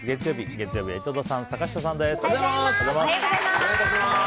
本日月曜日、月曜日は井戸田さん、坂下さんです。